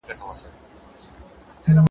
لکه شمع غوندي بل وي د دښمن پر زړه اور بل وي ,